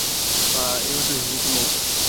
এই মাত্রই এসেছে সম্ভবত।